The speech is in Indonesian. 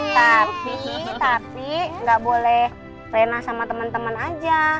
tapi tapi nggak boleh reina sama temen temen aja